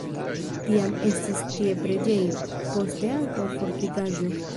Tiam estis tie preĝejo, poste ankaŭ fortikaĵo.